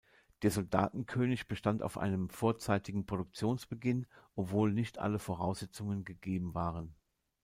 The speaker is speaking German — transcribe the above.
Der Soldatenkönig bestand auf einem vorzeitigen Produktionsbeginn, obwohl nicht alle Voraussetzungen gegeben waren.